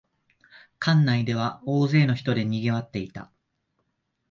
館内では大勢の人でにぎわっていた